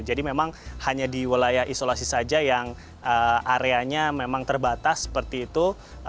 jadi memang hanya di wilayah isolasi saja yang areanya memang terbatas seperti itu